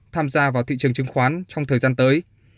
tham gia vào thị trường chứng khoán trong thời gian tới